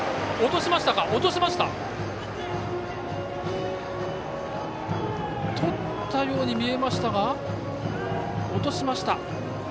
とったように見えましたが落としました。